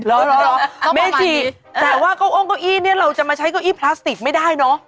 เมจิแต่ว่าเก้าอ้งเก้าอี้เนี่ยเราจะมาใช้เก้าอี้พลาสติกไม่ได้เนอะ